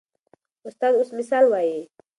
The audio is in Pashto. استاد اوس مثال وایي.